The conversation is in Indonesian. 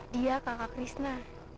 dia kakak krisna